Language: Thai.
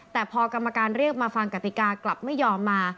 แต่พอกรรมการเรียกมาฟังกติกากลับไม่ยอมมา